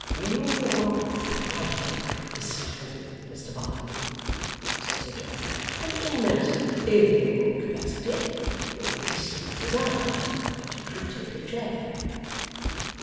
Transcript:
'You are quite a Christian, Mr Varden,' said Sir John; 'and in that amiable capacity, you increase my desire that you should take a chair.